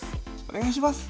お願いします。